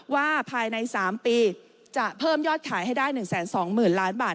ว่าภายใน๓ปีจะเพิ่มยอดขายให้ได้๑๒๐๐๐ล้านบาท